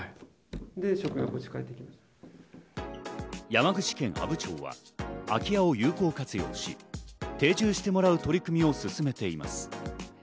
山口県阿武町は空き家を有効活用し、定住してもらう取り組みを進めています。